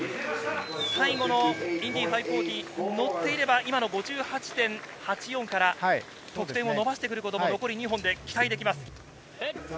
最後のインディ５４０乗っていれば今の５８．８４から得点を伸ばしてくることも残り２本で期待できます。